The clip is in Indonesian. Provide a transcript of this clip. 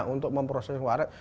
untuk memproses walet